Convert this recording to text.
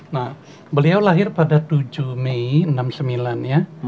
nah beliau lahir pada tujuh mei enam puluh sembilan ya